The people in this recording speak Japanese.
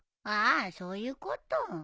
ああそういうこと。